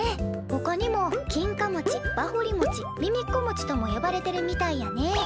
ほかにも「きんかもち」「ばほりもち」「みみっこもち」とも呼ばれてるみたいやね。